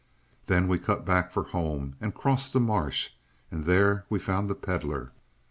"Then we cut back for home and crossed the marsh. And there we found the Pedlar.